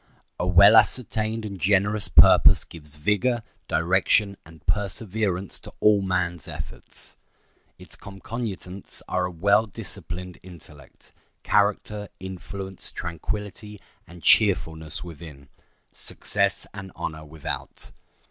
A well ascertained and generous purpose gives vigor, direction, and perseverance to all man's efforts. Its concomitants are a well disciplined intellect, character, influence, tranquillity, and cheerfulness within—success and honor without.